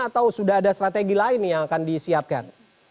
atau sudah ada strategi lain yang akan disiapkan